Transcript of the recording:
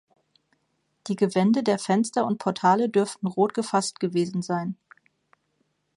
Die Gewände der Fenster und Portale dürften rot gefasst gewesen sein.